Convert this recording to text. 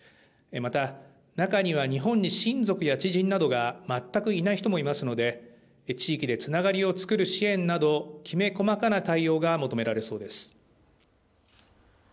また、中には日本に親族や知人などが全くいない人もいますので、地域でつながりを作る支援など、きめ細かな対応が求められそうです。